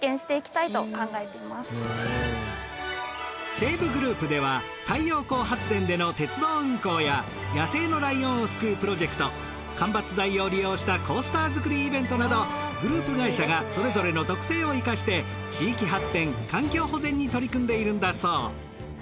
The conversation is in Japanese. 西武グループでは太陽光発電での鉄道運行や野生のライオンを救うプロジェクト間伐材を利用したコースター作りイベントなどグループ会社がそれぞれの特性を生かして地域発展環境保全に取り組んでいるんだそう。